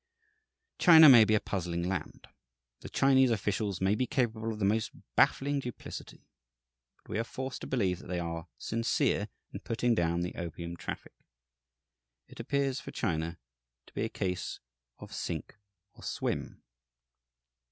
China may be a puzzling land. The Chinese officials may be capable of the most baffling duplicity. But we are forced to believe that they are "sincere" in putting down the opium traffic. It appears, for China, to be a case of sink or swim.